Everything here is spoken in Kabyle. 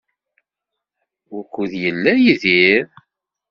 Wukud yella Yidir?